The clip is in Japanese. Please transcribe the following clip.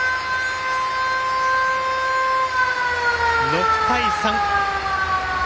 ６対３。